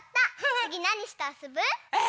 つぎなにしてあそぶ？